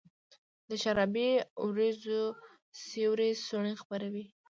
د شرابې اوریځو سیوري څوڼي خپروي